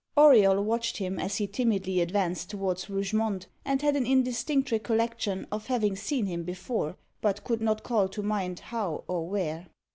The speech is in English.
Auriol watched him as he timidly advanced towards Rougemont, and had an indistinct recollection of having seen him before; but could not call to mind how or where.